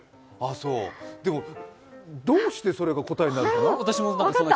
でも、どうしてそれが答えになるのかな？